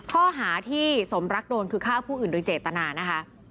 ข้อหาที่สมรักโดนคือฆ่าผู้อื่นโดยเจตนานะคะ